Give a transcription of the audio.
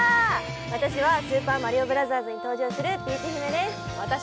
私は「スーパーマリオブラザーズ」に登場するピーチ姫です。